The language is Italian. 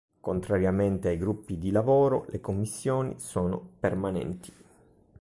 Contrariamente ai gruppi di lavoro le commissioni sono permanenti.